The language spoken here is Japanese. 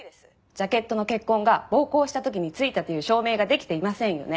ジャケットの血痕が暴行した時に付いたという証明ができていませんよね？